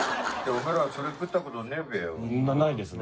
お前らそれ食ったことねぇべよ？